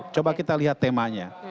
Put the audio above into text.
coba kita lihat temanya